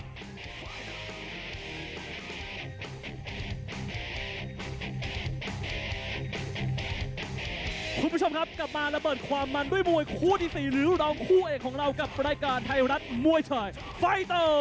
คุณผู้ชมครับกลับมาระเบิดความมันด้วยมวยคู่ที่๔หรือรองคู่เอกของเรากับรายการไทยรัฐมวยไทยไฟเตอร์